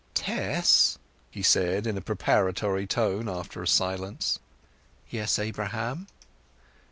"Tess!" he said in a preparatory tone, after a silence. "Yes, Abraham."